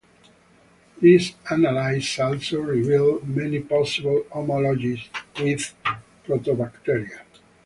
These analyses also revealed many possible homologies with Proteobacteria.